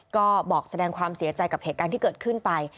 ก็บอกแสดงความเสียใจกับเหตุการณ์ที่เกิดขึ้นไป